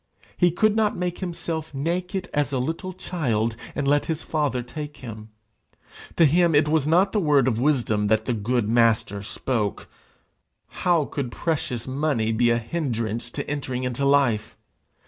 He could not make himself naked as a little child and let his Father take him! To him it was not the word of wisdom the 'Good Master' spoke. How could precious money be a hindrance to entering into life!